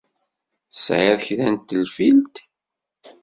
Tesεiḍ kra n tenfilt?